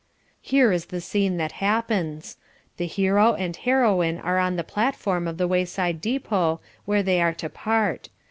Here is the scene that happens... The hero and heroine are on the platform of the way side depot where they are to part...